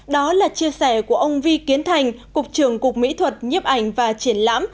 đó là chia sẻ của ông vi kiến thành cục trưởng cục mỹ thuật nhiếp ảnh và triển lãm